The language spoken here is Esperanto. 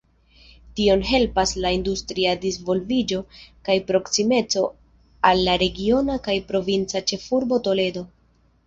Tion helpas la industria disvolviĝo kaj proksimeco al la regiona kaj provinca ĉefurbo Toledo.